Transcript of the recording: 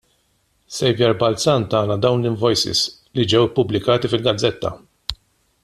Saviour Balzan tana dawk l-invoices li ġew ippubblikati fil-gazzetta.